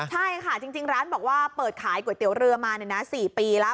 ใช่ค่ะจริงร้านบอกว่าเปิดขายก๋วยเตี๋ยวเรือมา๔ปีแล้ว